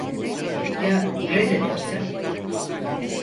Ya reddedersem?